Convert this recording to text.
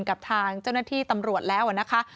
กับทางเจ้าหน้าที่ตำรวจแล้วนะคะ